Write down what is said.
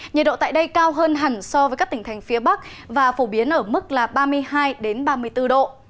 nhiệt độ tại đây cao hơn hẳn so với các tỉnh thành phía bắc và phổ biến ở mức ba mươi hai ba mươi bốn độ